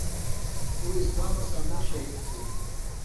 اُو اِسلاماں سامُوٹھوۡ شھید تُھو۔